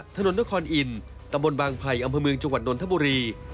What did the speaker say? ถนนนครอินตำบลบางไผ่อำเภอเมืองจังหวัดนนทบุรี